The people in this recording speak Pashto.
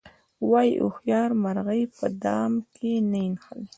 وایي هوښیاره مرغۍ په دام کې نه نښلي.